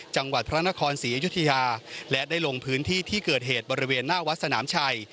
จังหวัดพระนครศรีอยุธยาและได้ลงพื้นที่ที่เกิดเหตุบริเวณหน้าวัดสนามชัย